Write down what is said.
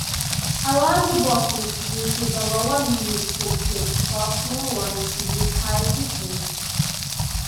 A larger bottle produces a lower musical pitch while smaller ones produce higher pitches.